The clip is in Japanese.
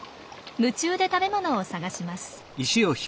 夢中で食べ物を探します。